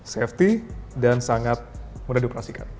safety dan sangat mudah dioperasikan